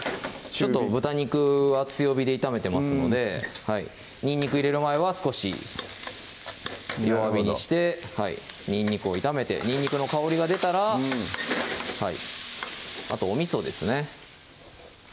豚肉は強火で炒めてますのでにんにく入れる前は少し弱火にしてにんにくを炒めてにんにくの香りが出たらあとお味ですね